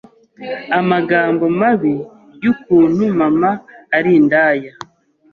amagambo mabi y’ukuntu mama ari indaya